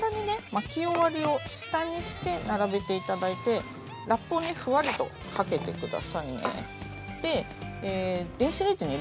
巻き終わりを下にして並べて頂いてラップをふわりとかけて下さいね。